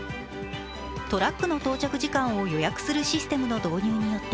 トラックの到着時間を予約するシステムの導入によって